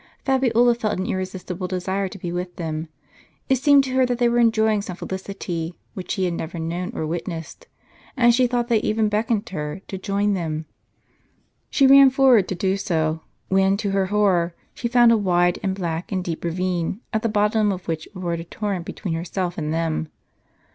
Fabiola felt an irresistible desire to be with them ; it seemed to her that they were enjoying some felicity which she had never known or witnessed; and she thought they even beckoned her to join them. She ran forward to do so, when to her horror she found a wide, and black, and deep ravine, at the bottom of which roared a torrent between herself and them.